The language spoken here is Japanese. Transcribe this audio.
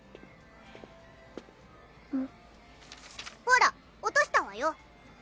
ほら落としたわよ。